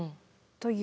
という。